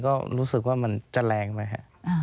ก็รู้สึกว่ามันแจลงไป